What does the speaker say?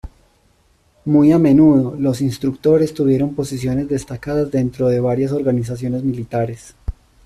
Muy a menudo, los instructores tuvieron posiciones destacadas dentro de varias organizaciones militares.